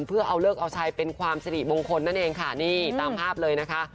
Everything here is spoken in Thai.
เพื่อเอาเลิกเอาใช้เป็นความสิริมงคลนั่นเองค่ะนี่ตามภาพเลยนะคะ